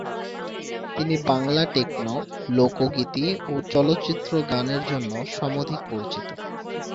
তিনি বাংলা টেকনো, লোকগীতি ও চলচ্চিত্রের গানের জন্য সমধিক পরিচিত।